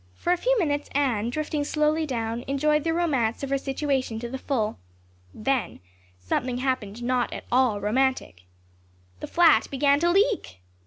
For a few minutes Anne, drifting slowly down, enjoyed the romance of her situation to the full. Then something happened not at all romantic. The flat began to leak.